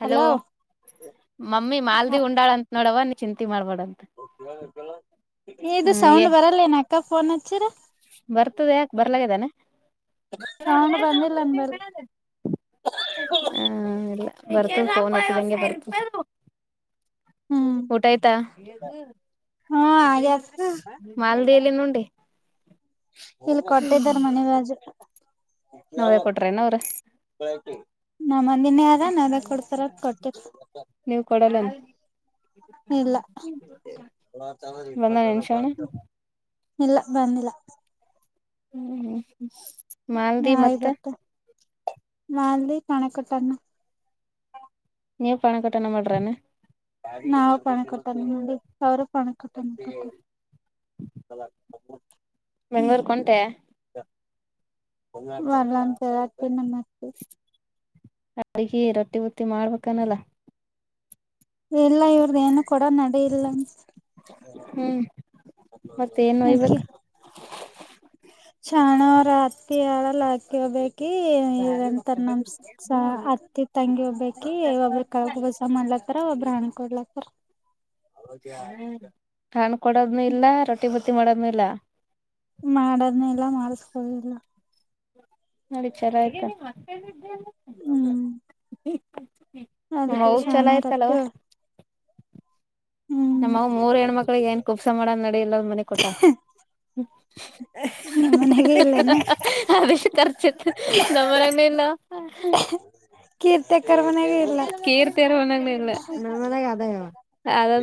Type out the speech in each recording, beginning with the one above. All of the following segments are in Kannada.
ಹಲೋ ಮಮ್ಮಿ ಮಾಲ್ದಿ ಉಂಡಾಳ ಅಂತ ನೋಡವ ನೀ ಚಿಂತೆ ಮಾಡಬೇಡ ಅಂತ ಇದು ಹ್ಮ ಏ ಸೌಂಡ್ ಬರಲ್ಲ ಏನ ಅಕ್ಕ ಫೋನ್ ಹಚ್ಚಿರ ಬರ್ತದ ಯಾಕ್ ಬರಲ್ಲ ಬ ಸೌಂಡ್ ಬಂದಿಲ್ಲ ಅನ್ಬಲ್ ಹ್ಮ್ ಊಟ ಆಯ್ತಾ ಹ್ಮ ಹಾಗ್ಯದ ಮಾಲದಿ ಎಲ್ಲಿಂದ ಉಂಡಿ ಇಲ್ಲಿ ಕೊಟ್ಟಾರ ಮನಿರಾಜು ನಾವೇ ಕೊಟ್ರನ ಅವ್ರ ನಾ ಮಂದಿನ ಯಾರ ನದ ಕೊಡ್ತಾರ ಕೊಟ್ಟರ ನೀವ್ ಕೊಡಲ್ಲನ್ ಇಲ್ಲ ಬಂದಾನ ಏನ್ ಶ್ರವಣ ಇಲ್ಲ ಬಂದಿಲ್ಲ ಹ್ಮ್ ಹ್ಮ್ ಮಾಲ್ದಿ ಮತ್ತ ಮಾದಲಿ ಪಾನಿ ಕೊಟ್ಟ ಅನ್ನ ನೀವು ಪಾಣಿ ಕೊಟ್ಟನ ಮಾಡಿರೇನು ನಾವು ಪಾನಿ ಕೊಡ್ತವಿ ನ್ನ ಅವಾವರ ಪಣ ಕ ತ ಬೆಂಗ್ಳೂರ್ ಕೊಂತೆ ವರಂತಾತೆ ನಮಸ್ತೆ ಅಗ ರೊಟ್ಟಿ ಬಟ್ಟಿ ಮಾಡ್ಬೇಕನಲ್ಲ ಎಲ್ಲ ಇವ್ರ್ದ ಏನ ಕೊಡ ನಡ ಇಲ್ಲಂತ ಹ್ಮ್ ಮತ್ತ ಏನ್ ಒಯ್ಬೇಕ ಆಕೆ ಹಣ ರಾತ್ರಿ ಹಳಲ್ ಹಾಕಿ ಹೋಗಬೇಕು ಾಕಂತ ನಮ ಹತ್ತಿ ತಂಗಿ ಒೋಗ್ಬಿ ಒಬ್ರ ಕಬಬ ಸಾನಾ ಒಬ್್ರ ಹಣ ಕೊಡ್ಲಕ್ಕ ಹ ಹ ಕೊಡೋದ್ನು ಇಲ್ಲ ರೊಟ್ಟಿ ಬತ್ತಿ ಮಾಡೋದ್ ಇಲ್ಲ ಮಾಡದ್ನ ಇಲ್ಲ ಮಾಡಸ್ಕೊಿಲ್ಲ ನೋಡಿಚಾರ ಹ್ಮ್ ಹ ಅದಕ್ಕೆ ಶಾಣ ರತ್ಯ ನಮ್ಮಗ ಮೂರ್ ಹೆಣ್ಮಕ್ಳಗ್ ಏನ್ ಕುಪ್ಸ ಮಾಡದ ನಡ ಇಲ್ಲಂದ್ ಮನೆ ಕೊಟ್ಟ ನಿಮ್ಮ್ ಮನೆಗೆ ಇಲ್ಲೇನ ಅ ಖರ್ಚತ್ತು ನಮ್ಮ ಇಲ್ಲ ಹ ಕ ತೆ ಕರ್ ಮನವ ಇಲ್ಲ ಮನ್ಯಾಗನ ಇಲ್ಲ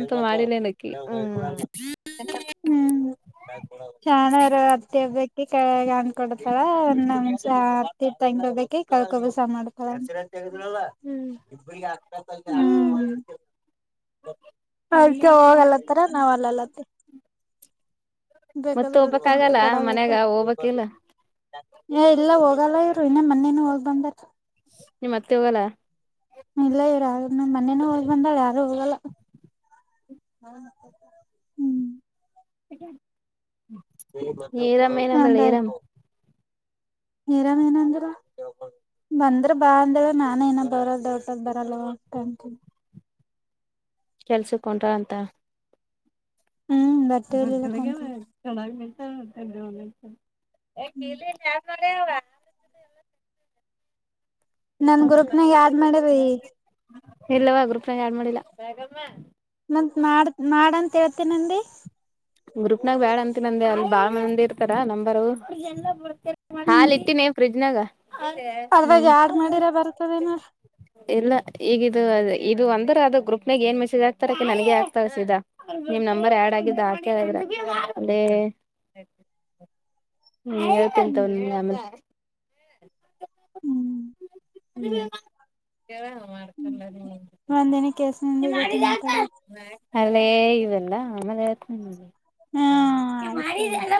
ಏ ಮಾಡಿಲ್ಲೇನಕಿ ಕೆಡ ಚನಾರ ಅತ್ತಬೇಕ ಈ ಕ ಅಂದ್ಕೊಡ್ತಾರ ಒಂದ ನ್ಸ ಹತ್ತ ಇ ತಂಗಕೊಬೇಕ ಈ ಕಳ್ಕೊಬಸ ಮಾಡ್ತಾರ ಗಲ್ಲ ಇ ಹ್ಮ್ ಅದಕ್ಕೆ ಹೋಗಲತ್ತರ ನಾವ್ ಅಲ್ಲಲತ್ತ ಮತ್ತ ಬೇಕಾದ್ರೆ ರೊಟ್ಟ ಬಟ್ಟ ಹೋಗ್ಬೇಕಾಗಲ್ಲ ಕಡಬೇಕು ಮನ್ಯಾಗ ಹೋಗ್ಬೇಕಿಲ್ಲ ಇಲ್ಲ ಹೋಗ. ಹೋಗಲ್ಲ ಇರು ಇನ್ನೇ ಮೊೇನು ಹೋಗ್ ಬಂದ. ನಿಮ್ಮತ್ತೆ ಹೋಗಲ್ಲ. ಇಲ್ಲ ಇವ್ರು ಯ ನಮ್ ಮನೇನ ಹೋಗ್ ಬಂದಾಳ ಯಾರು ಹೋಗಲ್ಲ ಹ್ಮ್. ಕ. ಸರಿಯಾಗಿ ಕೇಳುತ್ತಿಲ್ಲ. ನೀರಾಮ ಏನಂದ್ರ ಬಂದ್ರ ಬಾ ಅಂದೇಳ ನಾನ ಏನ ಬರ ದೇಡ್ಟದ್ ಬರಲ್ಲವ ಆಗ್ತಂತೀನಿ. ಕೆಲ್ಸಕಂಟ್ರ ಅಂತ. ಹ್ಮ್ ಬರ್ತೇಲಿಲ್ಲ ಬಂಗಲಗೆ ಕುಂತ ಚಳಾಗಿ ಮ. ಹಾ ಎ್. ಯಾಕೆ ಇ ಯ. ನನ್ ಗ್ರೂಪ್ನಾಗ ಆಡ್ ಮಾಡಿದಿ. ಇಲ್ಲವಾ ಗ್ರೂಪ್ನಾಗ ಯಡ್ ಮಾಡಿಲ್ಲ. ಮತ್ ಮಾಡ ಮಾಡಂತ ಹೇಳ್ತೇ ನಂದ. ಗ್ರೂಪ್ನಾಗ ಬ್ಯಾಡ ಅಂತಿ ನಂದೆ ಅಲ್ಲಿ ಬಾಳ ಮಂದಿರ್. ನಂಬರ್. ಹಾ ಇಟ್ಟೀನಿ. ಫ್ರಿಜ್ ನಾಗ ಅದವಾಗ ಆಾಡ್ ಮಾಡಿರ ಬರ್ತದೇನ. ಇಲ್ಲ ಈಗಿದದು ಇದು ಒಂದ ಅದು ಗ್ರೂಪ್ನಾಗ ಏನ್ ಮೆಸೇಜ್ ಆಗ್ತಾರಕ ನನಗೆ ಆಗ್ತ ಸೀದಾ ನಿಮ್ ನಂಬರ್ ಆ್ಯಡ್ ಆಗಿದ್ದ ಆ. ಅದೇ ಹ್ಮ ಹೇಳ್ತಂತ ಹ್ಮ್ ಹ್ಮ್. ಹ್ಮ್. ಹ್ಮ್ ಒಂದನ ಕೆಲ್ಸ ನಿಂದ ಇತೆ ಮಾತಾಡ್ಬೇಕು. ಅಲ್ಲೇ ಇವೆಲ್ಲ ಆಮೇಲೆತಗೆ. ಹಾ ಹ್ಮ್ ಆಯ್ತಾಯಯ್ತು ಮಾಡಿದ್ರಲ್ಲ.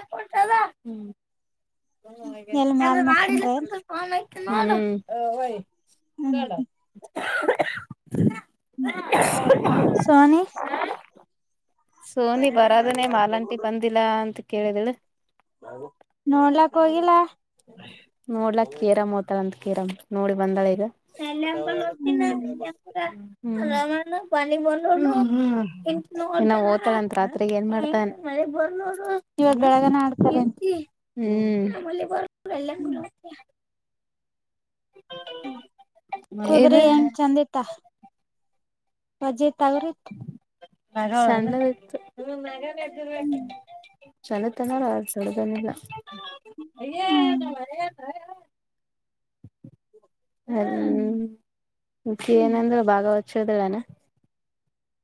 ಹ್ಮ. ಎಲ್ ಮ್ಯಾಲ ಅ್ರೆ ಮಕ್ಕೊಂಡ್ರ ಎನ್ ಮಾಡಂದ್ರ ಫೋನ್ ಆ. ಹ ವಯ್ ಕಟ. ್ಮ ಸೋನಿ. ಸೋನಿ ಬರದನೇ ಮಾಲಂಟಿ ಬಂದಿಲ್ಲಾ ಅಂತ. ಕೇಳಿದಿಲ್ಲ. ನೋಡ್ಲಕ್ ಹೋಗಿಲ್ಲ. ನೋಡ್ಲಾಕ್ಕೇರ ಮೋಟಾರಂತ. ಕಿರ್ ನೋಡಿ ಬಂದಾಳೆ ಈಗ ಅಲ್ಲಿ ಹಪಲ್ಲ ನು ಅಲ್ಲಿ ಹ [unintelligible] ಹ್ಮ್ [unintelligible] ಇನ್ನ ಓ್ತಾಳಂತ ರಾತ್ರಿ ಏನ್ ಮಾಡ್ತಾನ ಇವಾಗ ಬೆಳಗನ ಆಡ್ತಾರೆೇ ಹ್ಮ್ ವಲ್ಲ ಗುರು ಕಗ್ರಿ [unintelligible] ಕುದುರಿ ಇದು ಹೆಂಗ ಚಂದಿತ ಮಜೆ ತವಾರೆ ಸಣ್ಣದಿತ್ತು ಹ್ಮ್ ಚೆನ್ನ ತ ನೋ ಆಸ ಚ ಹ್ಮ್ ಹ್ಮ ಖ ಏನಂದ್ರೆ ಭಾಗವ ಕ್ಷೇದಗಳಾನ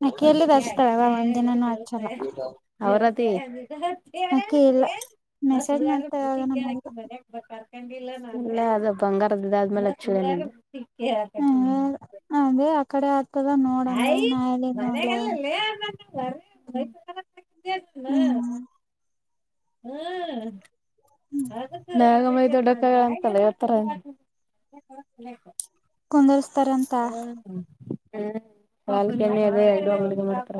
ಅಕ್ಕಿ ಎಲ್ಲಿದ ಹಚ್ತಾಳವ ಒಂದ್ ದಿನಾನೂ ಹಚ್ಚಲ್ಲ ಆವೃತಿ [unintelligible] ಅಕ್ಕಿ ಇಲ್ಲ ಮೆಸೇಜ್ ಮಾಡ್ತಾ ಯಾವಾಗನ ಮಾಡಿದ ಇಲ್ಲೇ ಅದ ಬಂಗಾರದ್ದ್ದ ಆದ್ಮೇಲೆ ಅಚ್ಚ ಯತ ಹ್ಮ್ ಅದೇ ಆ ಕಡೆ ಆಗ್ತದ ನೋಡಂದ ನಾಲ್ಲಿ ನೋಡ್ಲವೆ [inaudible] ಹ್ಮ್ ಹ್ಮ್ ನ ದೊಡ್ಡ ಕಾಯ ಅಂತಲ್ಲ ಹತ್ರ ಕುಂದ್ರ ಹಾ ಹ್ಮ್ ಹ್ಮ್ ಬಲ್ಕ ಅ ಮಾತ್ರ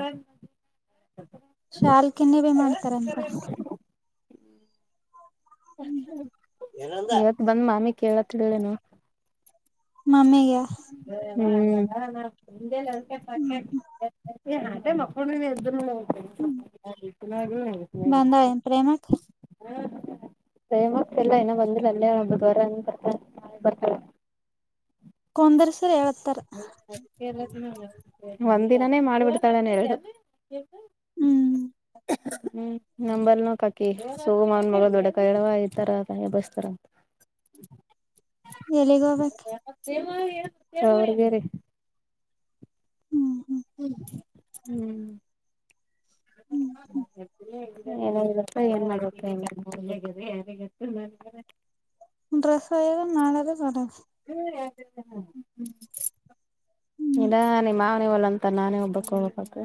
ಶಾಲ್ಕನ್ನ ಭ ಮಾಡ್ತಾರಂತ [inaudible] ಇವತ್ ಬಂದ್ ಮಾಮಿ ಕೇಳತ್ಲೇನು ಮಾಮೆಯ ಹ್ಮ್ಮ್ [inaudible] ಏ ಅ ಮಕ್ಕಳ ನೀವು ಇ್ದರು ಬಂದಾಯ ಯೆನ್ ಪ್ರೇಮಕ್ ಹ್ಮ ೇಮಕ್ ಎಲ್ಲ ಏನ ಬಂದಿಲ್ಲ ಅಲ್ಲೇ ಒಬ್ಬಾರ ಅ ಬರ್ತ ಬರ್ತಲ್ಲ ಕಾಂಗ್ರೆಸ್ ಹ ಕೇರಳ ನ ಒಂದಿನಾನೇ ಮಾಡ್ಬಿಡ್ತಾಳನೆ ಎರಡು ಹ್ಮ್ ಹ್ಮ ನಂಬಲ್ನ ಕಕಿ ಸಗಮ ಅವನ್ ಮಗಳು ದೊಡ್ಡಕ ಹೇಳಡವ ಇತರಾಯ ಬಸ್ತಾರ ಎಲ್ಲಿಗ್ ಹೋಗ್ಬೇಕ ಹಾ ಥಾವ್ರ್ಗೆರೆ ಹ್ಮ್ ಹ್ಮ್ ಹ್ಮ್ ತ್ತ ಏನ್ ಮಾಡ ್ರೆಸ್ಾಗ ನಾಳೆಾಗ ಬರ ಹ್ಮ್ ಇಲ್ಲ ನಿಮ್ಮ ಮಾವನವಲ್ಲಂತ ನಾನೇ ಒಬ್ಬಕ್ು ಹೋಗಬೇಕ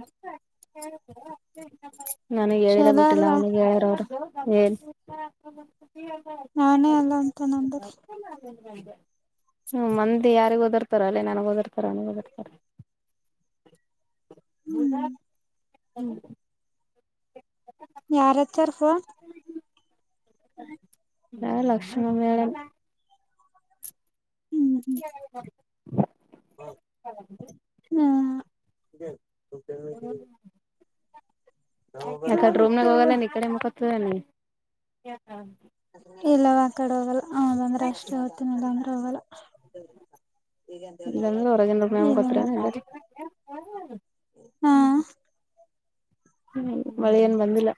ನನಗ್ ಹೇಳಿದ ಚಲೋ ಬಿಟ್ಟಿಲ್ಲ ಅಲ್ಲ ಅವನಿಗೆ ಹೇಳಿಯರ ಅವರು ಇಲ್ಲ ನಾನೇ ಅಲ್ಲ ಅಂತ ನಂದ್ರ ಹ ಹ್ಮ ಮಂದಿ ಯಾರಿಗ ಓದಿರ್ತಾರ ಅಲ್ಲೇ ನನಗ್ ಓದಿರ್ತಾರ ನನಗ ಓದಿರ್ತಾರ ಹ್ಮ್ ಯಾರಚರ್ ಫೋನ್ ಹ ಲಕ್ಷ್ಮ ಮೇಡ ಇಲ್ಲ ಹ್ಮ ಎಕಡೆ ರೂಮ್ ನ ಹೋಗಲ್ಲ ಇಡೆಕ ಸರಿ ಇಲ್ಲವಾ ಕಡೆ ಹೋಗಲ್ಲ ಹೌದಂದ್ರೆ ಅಷ್ಟೇ ಹೊತನಿಲ್ಲಂದ್ರ ಹಲ ಇಲ್ಲಾಂದ್ರೆ ಹೊರಗಿನ ರೂಮ್ನಾಗ ಇ ಮುಕತ್ತೇನ್ ಹಾ ಹ್ಮ್ ಮಳೆ ಏನ್ ಬಂದಿಲ್ಲ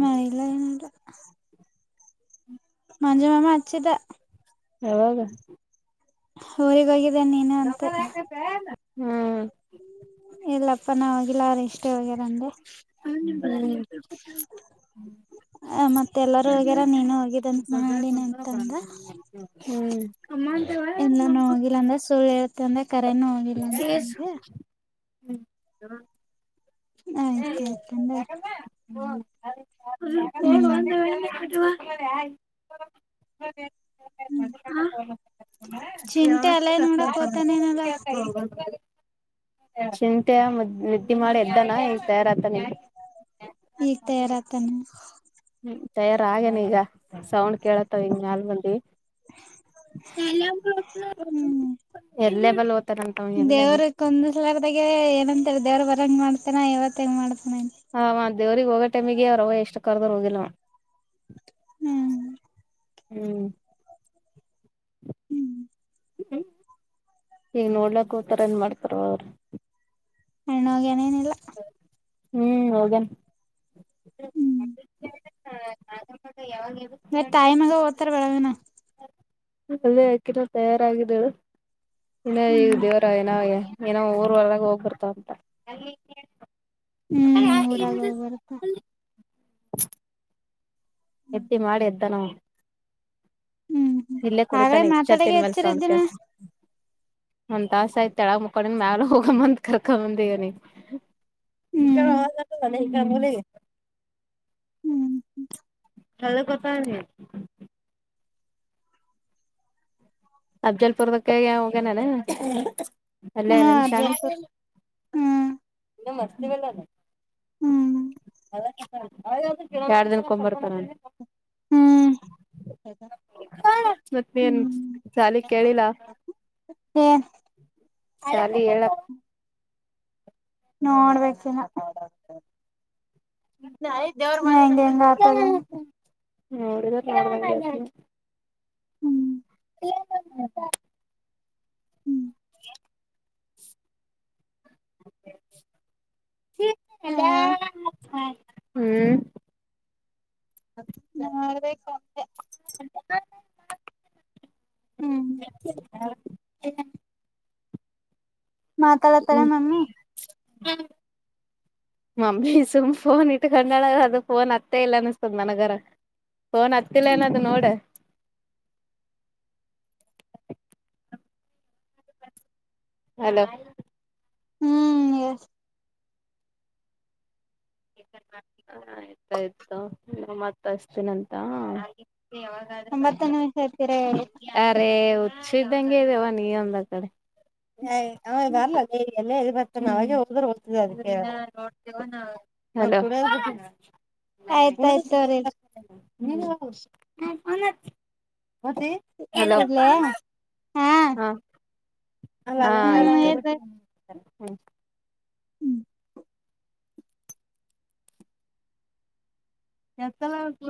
ಮಹಿಲನಲ್ಲ ಮಂಜು ಮಾಮಾ ಹಚ್ಚಿದ್ದ ಯವಾಗ ಅವರಿಗಾಗಿ ಇದ ನೀನು ಅಂತ ಹ್ಮ್ ಇಲ್ಲಪ್ಪ ನವಾಗಿಲ್ಲಾರಿ ಇಷ್ಟೇ ಹೋಗೋದು ಅಂದೆ ಆ ಮತ್ತೆ ಎಲ್ಲಾರೂ ಹೋಗ್ಯಾರ ನೀನು ಹೋಗಿದಂತ ಮಾಡಿನಿ ಅಂತಂದ ಹ್ಮ್ ಎಲ್ಲಾನೂ ಹೋಗಿಲ್ಲ ಅಂದ್ರ ಸುಳ್ಳ ಹೇಳ್ ತ ಕರೆನು ಹೋಗಿಲ್ಲ ಅಂತಂದೆ ಹ್ಮ್ ಏ ಹ್ಮ [unintelligible] [unintelligible] [unintelligible] ಆಯ್ತ ಆಯ್ತಂದೆ ಹ್ಮ್ ಚಿಂಟೆ ಅಲ್ಲೇ ನೋಡಕ್ ಹೋತಾನೇನಲ್ಲ [unintelligible] ಚಿಂಟ್ಯಾ ಮದ್ ನಿದ್ದೆ ಮಾಡಿ ಎದ್ದಾನಾ ಈಗ ತಯಾರ್ ಈಗ ತಯಾರ ಆತಾನಾ? ಹ್ಮ್ ತಯಾರ ಆಗ್ಯಾನ್ ಈಗ ಸೌಂಡ್ ಕೇಳಾತವ ಈಗ್ ಮ್ಯಾಲ ಬಂದಿ [unintelligible] ಇಲ್ಲೆಬಲ್ ದೇವ್ರಕ್ಕ ಒಂದ್ ಸಲಾರ್ದಾಗೆ ಅಂತ ದೇವ್ರ ಬರ ಹಂಗ ಮಾಡ್ತಾನ ಇವತ್ ಹೆಂಗ ಮಾಡ್ತ ಹ ಅವ ದೇವ್ರರಿಗೆ ಹೋಗೋ ಟೈಮಿಗೆ ಅವ್ರ ಅವ್ವಾ ಎಷ್ಟ ಕರ್ದರು ಹೋಗಿಲ್ಲವ. ಹ್ಮ್ ಹ್ಮ್ ಹ್ಮ್ ಹ್ಮ್ ಈಗ ನೋಡ್ಲಕ್ ಹೊತಾರೋ ಏನ್ ಮಾಡ್ತಾರವ್ವಾ ಅವರ. ಅಣ್ಣ ಹೋಗ್ಯಾನ್ ಏನಿಲ್ಲ. [unintelligible] ಹ್ಮ್ ಹೋಗ್ಯಾನ್. ಹ್ಮ್ ಹಾ ಮತ್ತ ತಾಯಿ ಮಗಾ ಓದ್ತಾರ ಬೆಳಗಾನಾ. ಅದೇ ಅಕಿರ ತಯಾರಾಗಿದಳು. ಇಣ ಈಗ ಹ್ಮ್ ದೇವರಾಯನ ಏನೋ ಊರ್ ಒಳಗ ಹೋಗ್ಬಿರ್ತಾವ ಅಂತ. [unintelligible] ಹ್ಮ್ ಊರಾಗ ಹೋಗಿ ಬರ್ತ [unintelligible] ಎತ್ತಿ ಮಾಡಿ ಎದ್ದಾನ ಅವ ಹ್ಮ್ ಹ್ಮ್ ಇಲ್ಲೇ ಹಾಗಲೇ ಕುಡಿತಾನ ಈಗ್ ಮಾತಾಡಗೆ ಹೆಚ್ಚರಿದ್ದೀನ [unintelligible] ಒಂದ ತಾಸ ಆಯ್ತ್ ತಳಗ ಮುಕೊಂಡ ಮ್ಯಾಲ ಹೋಗಂ ಕರ್ಕ ಬಂದೇ ಇವನಿಗ ಹ್ಮ್ [unintelligible] ಹ್ಮ್ ಕಳಗ ಕೂತವ್ನೆ. ಅಫ್ಜಲ್ಪುರ್ದಕ ಹೋಗನಾನ ಅಲ್ಲ ಹಾ ನಿನ್ಶನ್ ಜಲ್ಪುರ್ ಹ್ಮ್ ಮ ನಿಲ್ಲ ಅಲ್ಲ ಹ್ಮ್ ಹದ ಎಾರ್ ದನ್ಕೊ್ ಬರ್ತಾರ ಹ್ಮ್ ಹ್ಮ್ ಚಾಲಿ ಕೇಳಿಲ್ಲ ಏನ್ ಶಾಲಿ ಹೇಳಪ್ಪ ನೋಡ್ಬೇಕಿನ ಹ ನ ದೇವ್ರ ಮ ಹೆಂಗಗೆ ಹೆಂಗ ಆತದ ಹೌ ಹ್ಮ್ ಇ ಹ್ಮ್ ಲ್ಲ ಹಾ ಹ್ಮ್ ನಾಬೇಕ ಎ ಹ್ಮ್ ಇಲ್ಲ ಮಾತಾಡತಾರೆ ಮಮ್ಮಿ ಮಮ್ಮಿ ಸುಮ್ ಫೋನ್ ಇಟ್ಕೊಂಡಳ ಅದು ಫೋನ್ ಅತ್ತ ಇಲ್ಲ ಅನಿಸತದ ನನಗರ ಫೋನ್ ಅತ್ತಿಲ್ಲ ಅನ್ನೋದು ನೋಡ ಹಲೋ ಹ್ಮ್ ಎಸ್ ಆಯ್ತಾಯ್ತು ಮತ್ತ ಅಷ್ಟತೀಿನಂತ ಒಂಬತ್ತು ನಿಮಿಷ ಆಯ್ತೀರ ಹೇಳಿ ಬರ್ ಅೇ ಸಿದ್ದಂಗೆ ಇದವ ನೀ ಒಂದ ಕಡೆ ಅವ ಬರ್ಲಲ್ಲ ಎಲ್ಲ ಬರ್ ನಾವಾಗ ಹೋದ್ರೆ ಓದ್ತಿದೆ ಅದಕ್ಕೆ ಹ ಆಯ್ತಾಯ್ತ ಅವರಿರಿ ನೀ ಅ ಹೊತ್ತ ಹಲೋ ಇಡ್ಲೇ ಹಾ ಹಾ ಹ್ಮ್ ಇಡ್ರಿ. ಹ ಹ್ಮ ಹ್ಮ್ ಎತ್ತಲವ ಕೊ